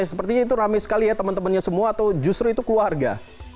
sepertinya itu rame sekali ya teman temannya semua atau justru itu keluarga